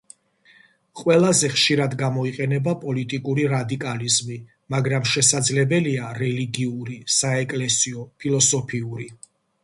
ყველაზე ხშირად გამოიყენება პოლიტიკური რადიკალიზმი, მაგრამ შესაძლებელია რელიგიური, საეკლესიო, ფილოსოფიური.